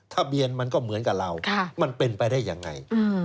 ทะเบียนมันก็เหมือนกับเรามันเป็นไปได้ยังไง